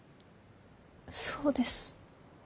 そうです。